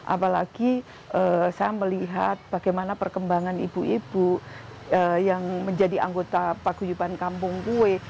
apalagi saya melihat bagaimana perkembangan ibu ibu yang menjadi anggota paguyuban kampung kue